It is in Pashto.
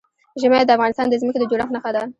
ژمی د افغانستان د ځمکې د جوړښت نښه ده.